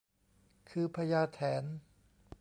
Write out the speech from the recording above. คือพญาแถน